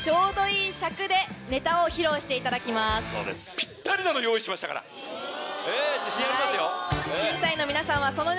ぴったりなの用意しましたから自信ありますよ。